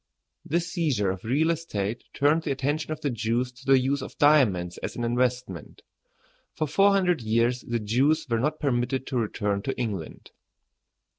This seizure of real estate turned the attention of the Jews to the use of diamonds as an investment. For four hundred years the Jews were not permitted to return to England.